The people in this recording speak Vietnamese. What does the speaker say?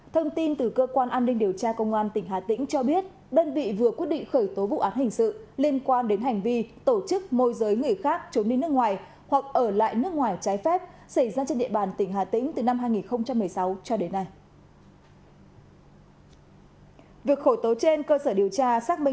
thông tin từ cơ quan an ninh điều tra công an tỉnh hà tĩnh cho biết đơn vị vừa quyết định khởi tố vụ án hình sự liên quan đến hành vi tổ chức môi giới người khác trốn đi nước ngoài hoặc ở lại nước ngoài trái phép xảy ra trên địa bàn tỉnh hà tĩnh từ năm hai nghìn một mươi sáu cho đến nay